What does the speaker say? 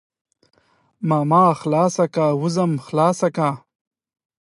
ماما خلاصه که وځم خلاصه که.